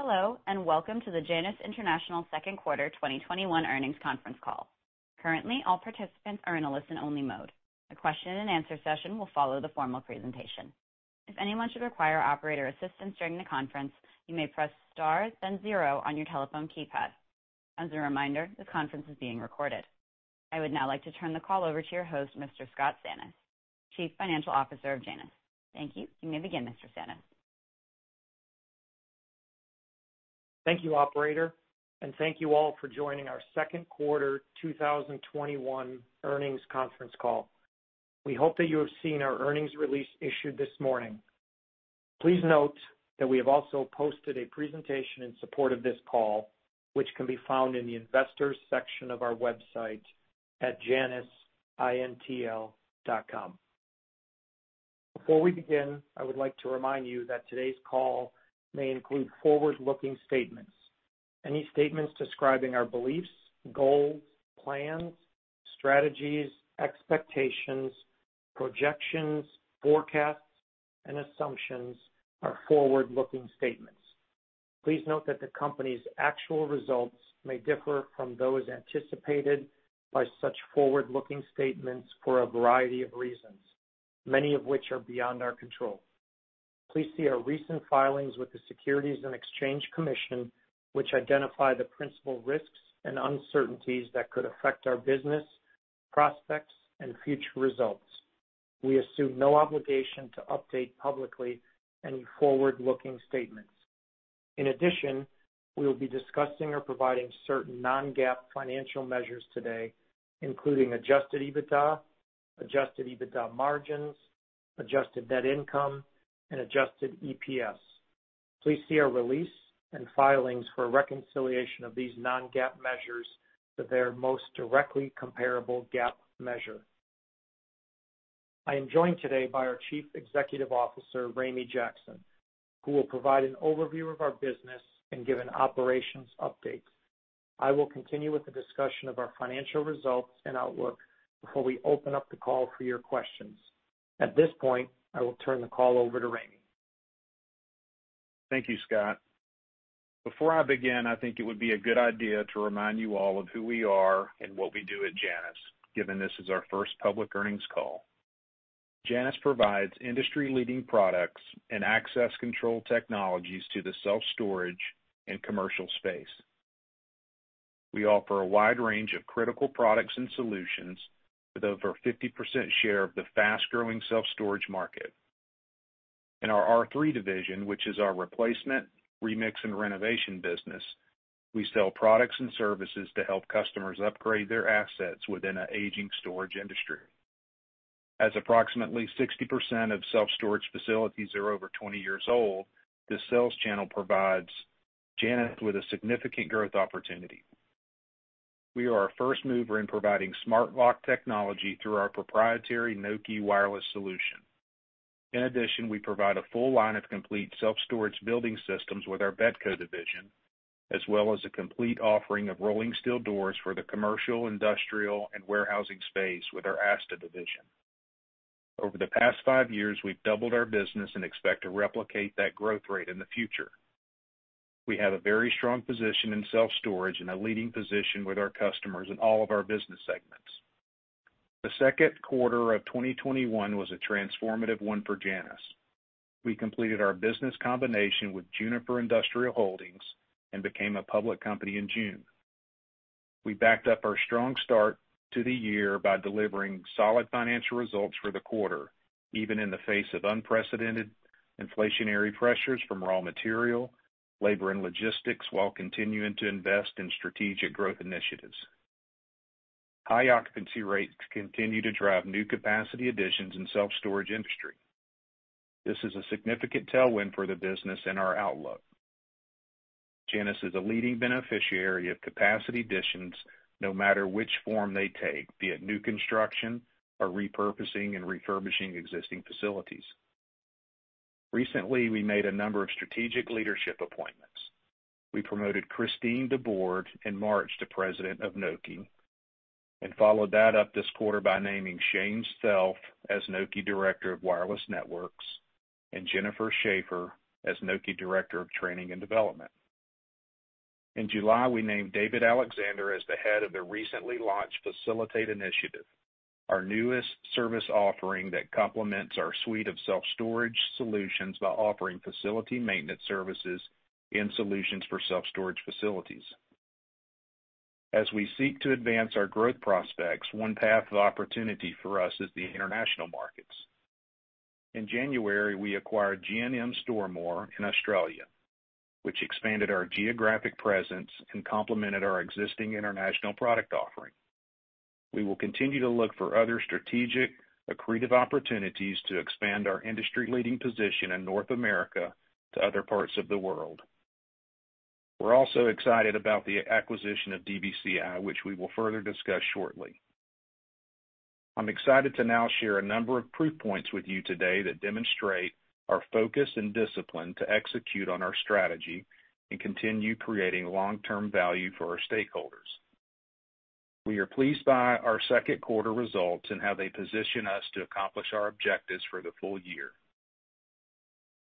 Hello, welcome to the Janus International Second Quarter 2021 Earnings Conference Call. I would now like to turn the call over to your host, Mr. Scott Sannes, Chief Financial Officer of Janus. Thank you. You may begin, Mr. Sannes. Thank you, operator, and thank you all for joining our second quarter 2021 earnings conference call. We hope that you have seen our earnings release issued this morning. Please note that we have also posted a presentation in support of this call, which can be found in the Investors section of our website at janusintl.com. Before we begin, I would like to remind you that today's call may include forward-looking statements. Any statements describing our beliefs, goals, plans, strategies, expectations, projections, forecasts, and assumptions are forward-looking statements. Please note that the company's actual results may differ from those anticipated by such forward-looking statements for a variety of reasons, many of which are beyond our control. Please see our recent filings with the Securities and Exchange Commission, which identify the principal risks and uncertainties that could affect our business, prospects, and future results. We assume no obligation to update publicly any forward-looking statements. In addition, we will be discussing or providing certain non-GAAP financial measures today, including adjusted EBITDA, adjusted EBITDA margins, adjusted net income, and adjusted EPS. Please see our release and filings for a reconciliation of these non-GAAP measures to their most directly comparable GAAP measure. I am joined today by our Chief Executive Officer, Ramey Jackson, who will provide an overview of our business and give an operations update. I will continue with the discussion of our financial results and outlook before we open up the call for your questions. At this point, I will turn the call over to Ramey. Thank you, Scott. Before I begin, I think it would be a good idea to remind you all of who we are and what we do at Janus, given this is our first public earnings call. Janus provides industry-leading products and access control technologies to the self-storage and commercial space. We offer a wide range of critical products and solutions with over 50% share of the fast-growing self-storage market. In our R3 division, which is our replacement, remix, and renovation business, we sell products and services to help customers upgrade their assets within an aging storage industry. As approximately 60% of self-storage facilities are over 20 years old, this sales channel provides Janus with a significant growth opportunity. We are a first mover in providing smart lock technology through our proprietary Nokē wireless solution. In addition, we provide a full line of complete self-storage building systems with our BETCO division, as well as a complete offering of rolling steel doors for the commercial, industrial, and warehousing space with our ASTA division. Over the past five years, we've doubled our business and expect to replicate that growth rate in the future. We have a very strong position in self-storage and a leading position with our customers in all of our business segments. The second quarter of 2021 was a transformative one for Janus. We completed our business combination with Juniper Industrial Holdings and became a public company in June. We backed up our strong start to the year by delivering solid financial results for the quarter, even in the face of unprecedented inflationary pressures from raw material, labor, and logistics, while continuing to invest in strategic growth initiatives. High occupancy rates continue to drive new capacity additions in self-storage industry. This is a significant tailwind for the business and our outlook. Janus is a leading beneficiary of capacity additions, no matter which form they take, be it new construction or repurposing and refurbishing existing facilities. Recently, we made a number of strategic leadership appointments. We promoted Christine DeBord in March to President of Nokē, and followed that up this quarter by naming Shane Self as Nokē Director of Wireless Networks and Jennifer Shaver as Nokē Director of Training and Development. In July, we named David Alexander as the head of the recently launched Facilitate initiative, our newest service offering that complements our suite of self-storage solutions by offering facility maintenance services and solutions for self-storage facilities. As we seek to advance our growth prospects, one path of opportunity for us is the international markets. In January, we acquired G&M Stor-More in Australia, which expanded our geographic presence and complemented our existing international product offering. We will continue to look for other strategic, accretive opportunities to expand our industry-leading position in North America to other parts of the world. We're also excited about the acquisition of DBCI, which we will further discuss shortly. I'm excited to now share a number of proof points with you today that demonstrate our focus and discipline to execute on our strategy and continue creating long-term value for our stakeholders. We are pleased by our second quarter results and how they position us to accomplish our objectives for the full year.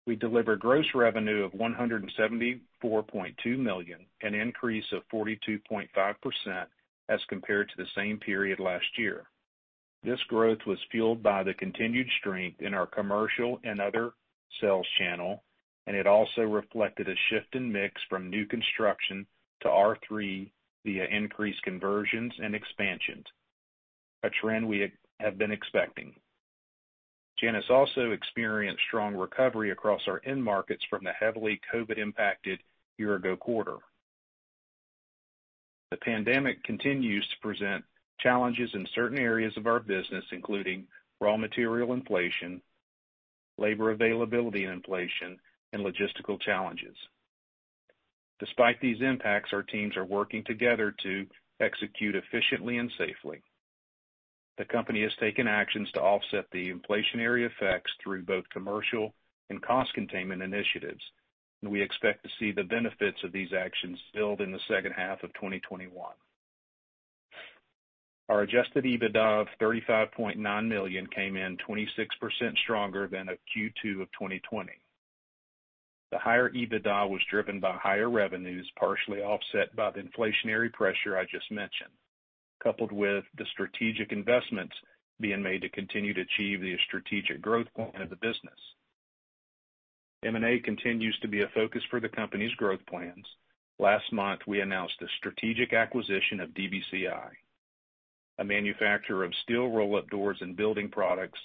We delivered gross revenue of $174.2 million, an increase of 42.5% as compared to the same period last year. This growth was fueled by the continued strength in our commercial and other sales channel, and it also reflected a shift in mix from new construction to R3 via increased conversions and expansions, a trend we have been expecting. Janus also experienced strong recovery across our end markets from the heavily COVID-19-impacted year-ago quarter. The pandemic continues to present challenges in certain areas of our business, including raw material inflation, labor availability and inflation, and logistical challenges. Despite these impacts, our teams are working together to execute efficiently and safely. The company has taken actions to offset the inflationary effects through both commercial and cost containment initiatives, and we expect to see the benefits of these actions build in the second half of 2021. Our adjusted EBITDA of $35.9 million came in 26% stronger than at Q2 of 2020. The higher EBITDA was driven by higher revenues, partially offset by the inflationary pressure I just mentioned, coupled with the strategic investments being made to continue to achieve the strategic growth point of the business. M&A continues to be a focus for the company's growth plans. Last month, we announced the strategic acquisition of DBCI, a manufacturer of steel roll-up doors and building products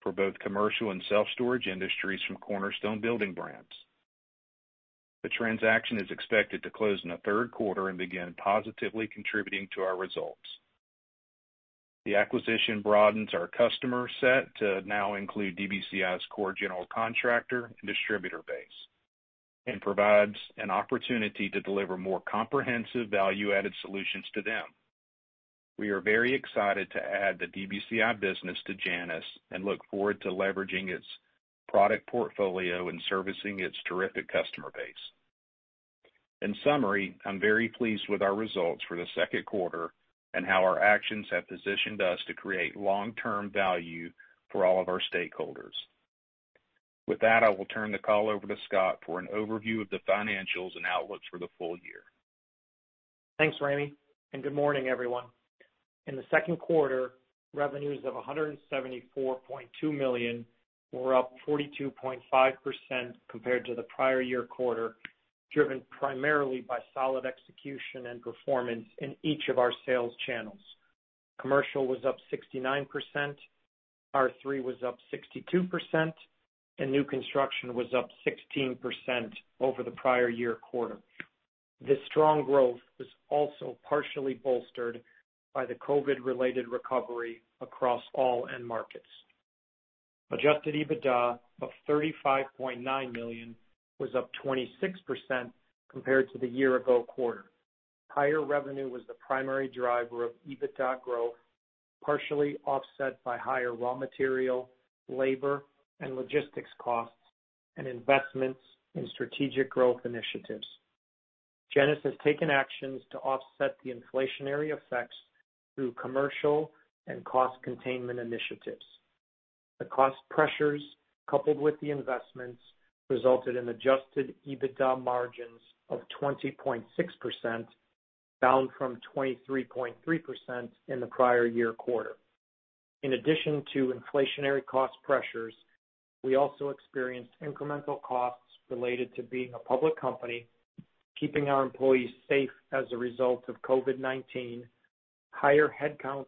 for both commercial and self-storage industries from Cornerstone Building Brands. The transaction is expected to close in the third quarter and begin positively contributing to our results. The acquisition broadens our customer set to now include DBCI's core general contractor and distributor base and provides an opportunity to deliver more comprehensive value-added solutions to them. We are very excited to add the DBCI business to Janus and look forward to leveraging its product portfolio and servicing its terrific customer base. In summary, I'm very pleased with our results for the second quarter and how our actions have positioned us to create long-term value for all of our stakeholders. With that, I will turn the call over to Scott for an overview of the financials and outlooks for the full year. Thanks, Ramey. Good morning, everyone. In the second quarter, revenues of $174.2 million were up 42.5% compared to the prior year quarter, driven primarily by solid execution and performance in each of our sales channels. Commercial was up 69%, R3 was up 62%, and new construction was up 16% over the prior year quarter. This strong growth was also partially bolstered by the COVID-related recovery across all end markets. Adjusted EBITDA of $35.9 million was up 26% compared to the year-ago quarter. Higher revenue was the primary driver of EBITDA growth, partially offset by higher raw material, labor, and logistics costs, and investments in strategic growth initiatives. Janus has taken actions to offset the inflationary effects through commercial and cost containment initiatives. The cost pressures, coupled with the investments, resulted in adjusted EBITDA margins of 20.6%, down from 23.3% in the prior year quarter. In addition to inflationary cost pressures, we also experienced incremental costs related to being a public company, keeping our employees safe as a result of COVID-19, higher headcount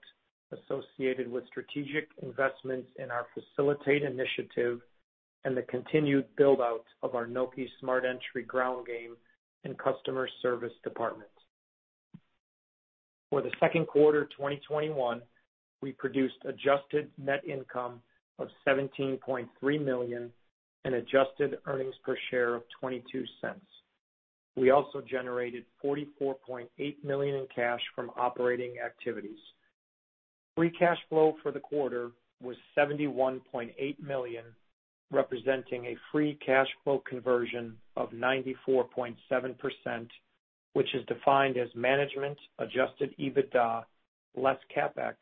associated with strategic investments in our Facilitate initiative, and the continued build-out of our Nokē Smart Entry ground game and customer service departments. For the second quarter 2021, we produced adjusted net income of $17.3 million and adjusted earnings per share of $0.22. We also generated $44.8 million in cash from operating activities. Free cash flow for the quarter was $71.8 million, representing a free cash flow conversion of 94.7%, which is defined as management-adjusted EBITDA less CapEx,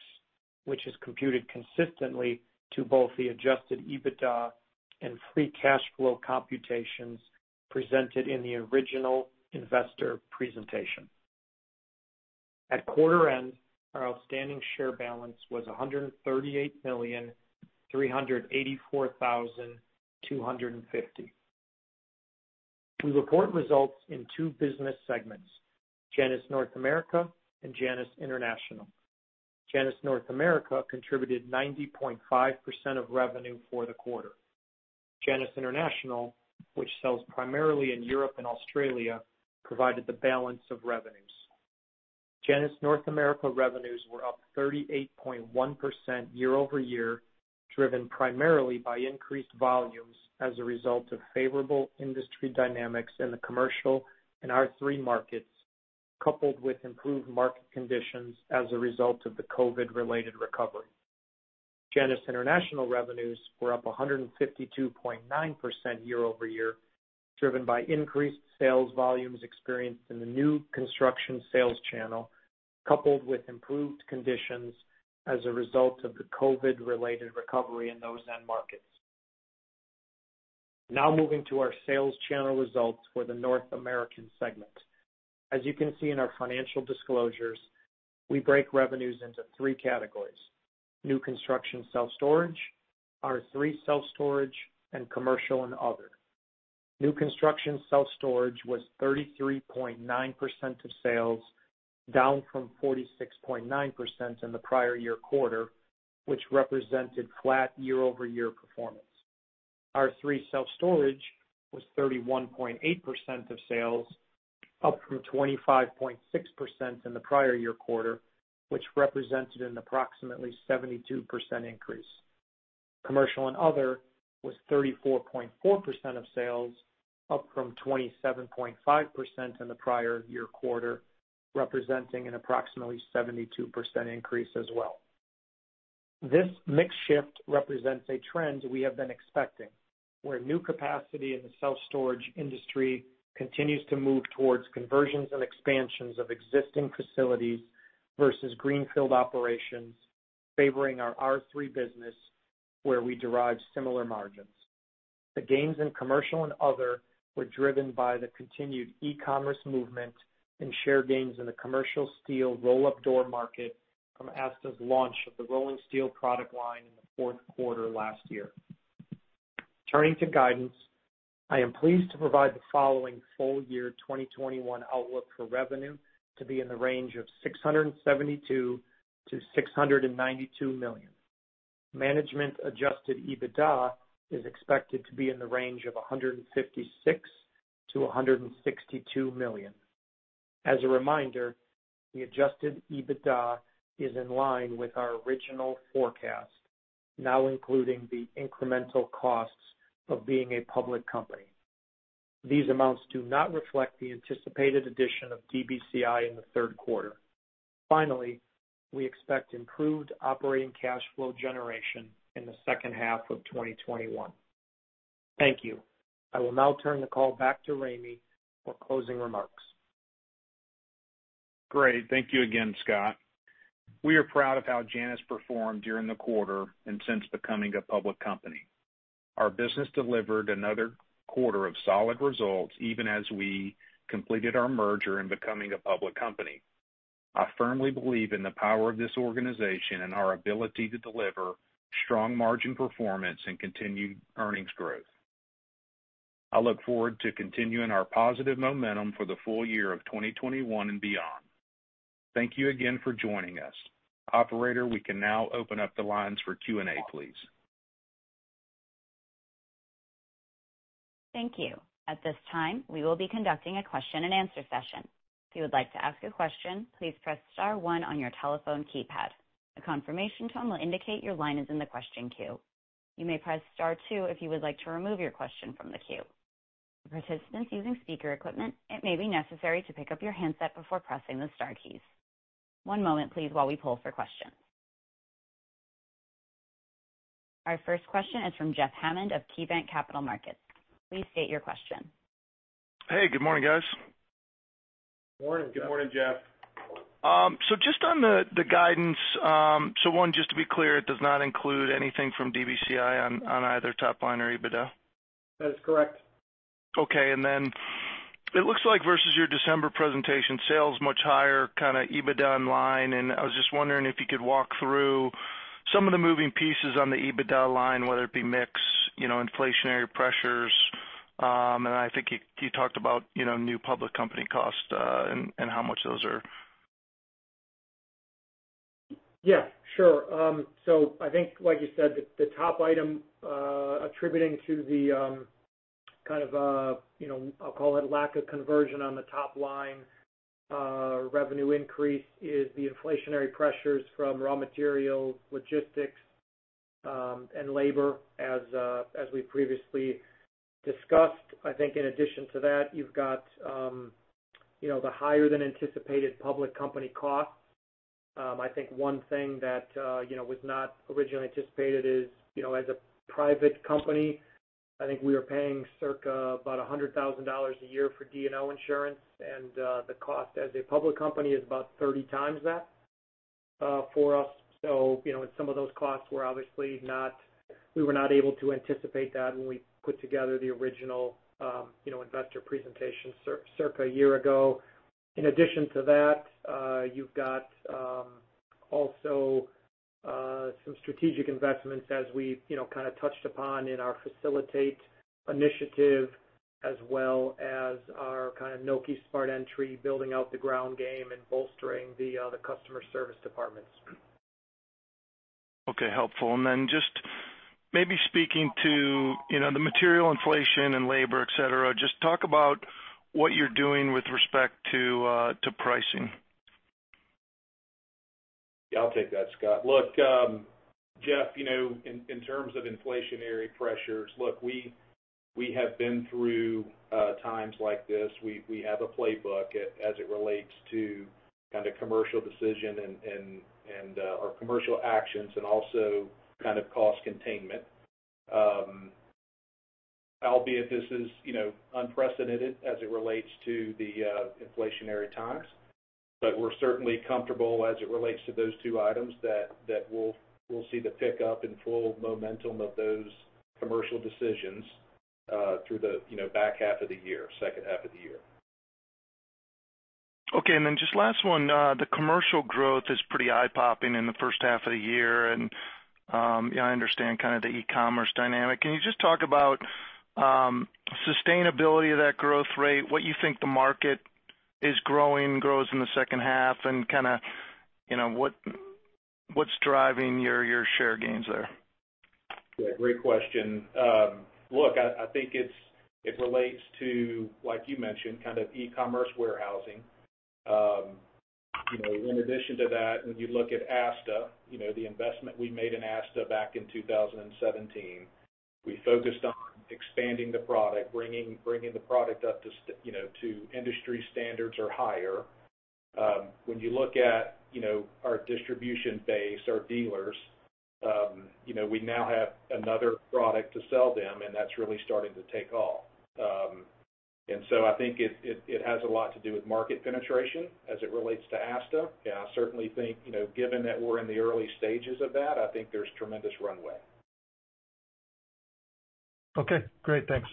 which is computed consistently to both the adjusted EBITDA and free cash flow computations presented in the original investor presentation. At quarter end, our outstanding share balance was $138,384,250. We report results in two business segments, Janus North America and Janus International. Janus North America contributed 90.5% of revenue for the quarter. Janus International, which sells primarily in Europe and Australia, provided the balance of revenues. Janus North America revenues were up 38.1% year-over-year, driven primarily by increased volumes as a result of favorable industry dynamics in the commercial and R3 markets, coupled with improved market conditions as a result of the COVID-19-related recovery. Janus International revenues were up 152.9% year-over-year, driven by increased sales volumes experienced in the new construction sales channel, coupled with improved conditions as a result of the COVID-19-related recovery in those end markets. Moving to our sales channel results for Janus North America. As you can see in our financial disclosures, we break revenues into three categories: new construction self-storage, R3 self-storage, and commercial and other. New construction self-storage was 33.9% of sales, down from 46.9% in the prior year quarter, which represented flat year-over-year performance. R3 self-storage was 31.8% of sales, up from 25.6% in the prior year quarter, which represented an approximately 72% increase. Commercial and other was 34.4% of sales, up from 27.5% in the prior year quarter, representing an approximately 72% increase as well. This mix shift represents a trend we have been expecting, where new capacity in the self-storage industry continues to move towards conversions and expansions of existing facilities versus greenfield operations favoring our R3 business, where we derive similar margins. The gains in commercial and other were driven by the continued e-commerce movement and share gains in the commercial steel roll-up door market from ASTA's launch of the rolling steel product line in the fourth quarter last year. Turning to guidance, I am pleased to provide the following full year 2021 outlook for revenue to be in the range of $672 million-$692 million. Management adjusted EBITDA is expected to be in the range of $156 million-$162 million. As a reminder, the adjusted EBITDA is in line with our original forecast, now including the incremental costs of being a public company. These amounts do not reflect the anticipated addition of DBCI in the third quarter. Finally, we expect improved operating cash flow generation in the second half of 2021. Thank you. I will now turn the call back to Ramey for closing remarks. Great. Thank you again, Scott. We are proud of how Janus performed during the quarter and since becoming a public company. Our business delivered another quarter of solid results, even as we completed our merger and becoming a public company. I firmly believe in the power of this organization and our ability to deliver strong margin performance and continued earnings growth. I look forward to continuing our positive momentum for the full year of 2021 and beyond. Thank you again for joining us. Operator, we can now open up the lines for Q&A, please. Our first question is from Jeff Hammond of KeyBanc Capital Markets. Please state your question. Hey, good morning, guys. Morning. Good morning, Jeff. Just on the guidance, one, just to be clear, it does not include anything from DBCI on either top line or EBITDA? That is correct. Okay. It looks like versus your December presentation, sales much higher, kind of EBITDA in line, I was just wondering if you could walk through some of the moving pieces on the EBITDA line, whether it be mix, inflationary pressures. I think you talked about new public company costs, and how much those are. Sure. I think, like you said, the top item attributing to the kind of, I'll call it lack of conversion on the top line revenue increase is the inflationary pressures from raw materials, logistics, and labor, as we previously discussed. I think in addition to that, you've got the higher than anticipated public company costs. I think one thing that was not originally anticipated is, as a private company, I think we were paying circa about $100,000 a year for D&O insurance, and the cost as a public company is about 30 times that for us. Some of those costs were obviously not. We were not able to anticipate that when we put together the original investor presentation circa a year ago. In addition to that, you've got also some strategic investments as we kind of touched upon in our Facilitate initiative, as well as our kind of Nokē Smart Entry, building out the ground game and bolstering the other customer service departments. Okay. Helpful. Just maybe speaking to the material inflation and labor, et cetera, just talk about what you're doing with respect to pricing. Yeah, I'll take that, Scott. Look, Jeff, in terms of inflationary pressures, look, we...We have been through times like this. We have a playbook as it relates to kind of commercial decision and our commercial actions and also kind of cost containment. Albeit this is unprecedented as it relates to the inflationary times, but we're certainly comfortable as it relates to those two items that we'll see the pickup in full momentum of those commercial decisions through the back half of the year, second half of the year. Just last one, the commercial growth is pretty eye-popping in the first half of the year, and I understand kind of the e-commerce dynamic. Can you just talk about sustainability of that growth rate, what you think the market is growing, grows in the second half, and kind of what's driving your share gains there? Yeah, great question. Look, I think it relates to, like you mentioned, kind of e-commerce warehousing. In addition to that, when you look at ASTA, the investment we made in ASTA back in 2017, we focused on expanding the product, bringing the product up to industry standards or higher. When you look at our distribution base, our dealers, we now have another product to sell them, and that's really starting to take off. I think it has a lot to do with market penetration as it relates to ASTA. I certainly think, given that we're in the early stages of that, I think there's tremendous runway. Okay, great. Thanks.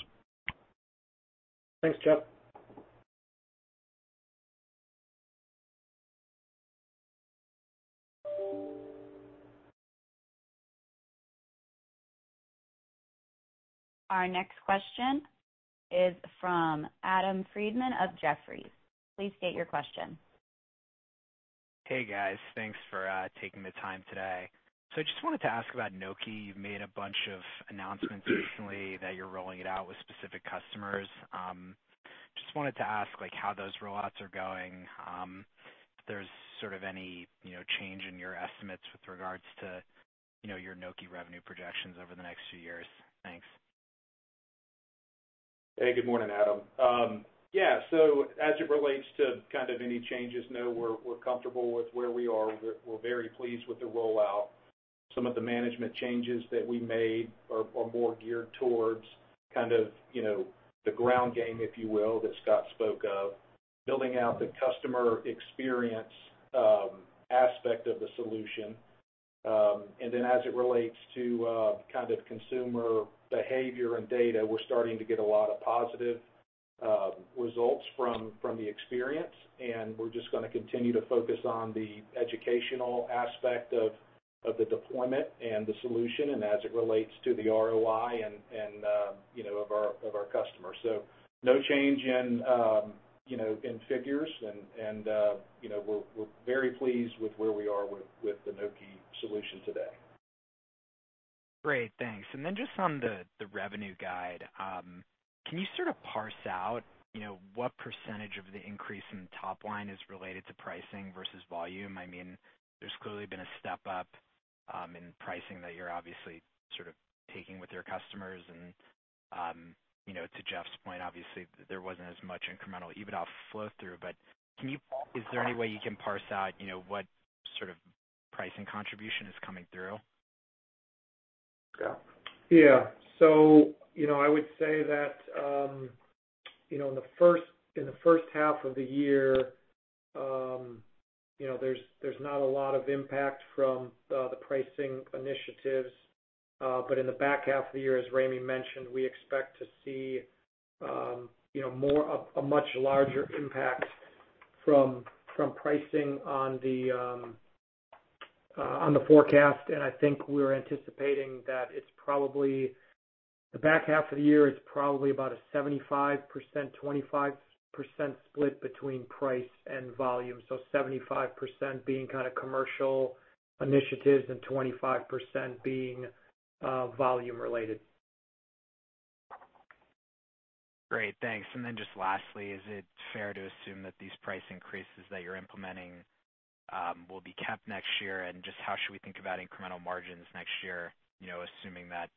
Thanks, Jeff. Our next question is from Adam Friedman of Jefferies. Please state your question. Hey, guys. Thanks for taking the time today. I just wanted to ask about Nokē. You've made a bunch of announcements recently that you're rolling it out with specific customers. Just wanted to ask, like, how those roll-outs are going, if there's sort of any change in your estimates with regards to your Nokē revenue projections over the next few years. Thanks. Hey, good morning, Adam. As it relates to kind of any changes, no, we're comfortable with where we are. We're very pleased with the rollout. Some of the management changes that we made are more geared towards kind of the ground game, if you will, that Scott spoke of, building out the customer experience aspect of the solution. As it relates to kind of consumer behavior and data, we're starting to get a lot of positive results from the experience, and we're just going to continue to focus on the educational aspect of the deployment and the solution and as it relates to the ROI of our customers. No change in figures, and we're very pleased with where we are with the Nokē solution today. Great, thanks. Then just on the revenue guide, can you sort of parse out what percentage of the increase in the top line is related to pricing versus volume? There's clearly been a step-up in pricing that you're obviously sort of taking with your customers and to Jeff's point, obviously, there wasn't as much incremental EBITDA flow through. Is there any way you can parse out what sort of pricing contribution is coming through? Scott? I would say that in the first half of the year, there's not a lot of impact from the pricing initiatives. In the back half of the year, as Ramey mentioned, we expect to see a much larger impact from pricing on the forecast. I think we're anticipating that the back half of the year is probably about a 75%/25% split between price and volume. 75% being kind of commercial initiatives and 25% being volume related. Great, thanks. Then just lastly, is it fair to assume that these price increases that you're implementing will be kept next year? Just how should we think about incremental margins next year, assuming that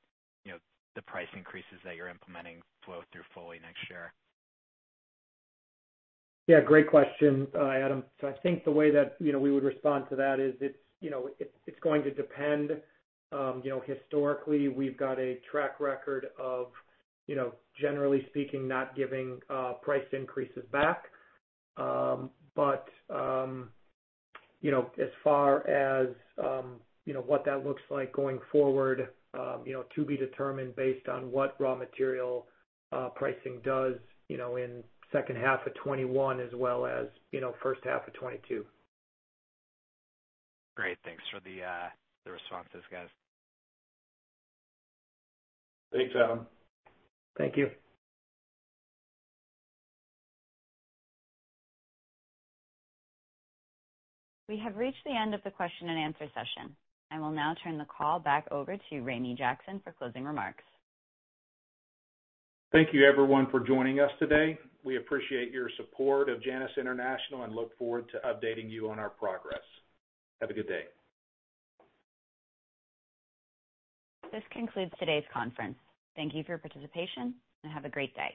the price increases that you're implementing flow through fully next year? Yeah, great question, Adam. I think the way that we would respond to that is it's going to depend. Historically, we've got a track record of, generally speaking, not giving price increases back. As far as what that looks like going forward, to be determined based on what raw material pricing does in second half of 2021 as well as first half of 2022. Great. Thanks for the responses, guys. Thanks, Adam. Thank you. We have reached the end of the question and answer session. I will now turn the call back over to Ramey Jackson for closing remarks. Thank you, everyone, for joining us today. We appreciate your support of Janus International and look forward to updating you on our progress. Have a good day. This concludes today's conference. Thank you for your participation, and have a great day.